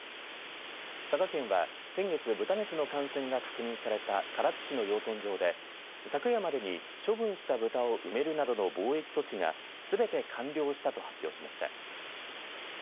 佐賀県は先月豚熱の感染が確認された唐津市の養豚場で、昨夜までに処分した豚を埋めるなどの防疫措置がすべて完了したと発表しました。